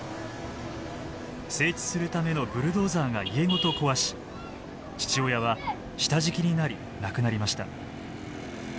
整地するためのブルドーザーが家ごと壊し父親は下敷きになり亡くなりました。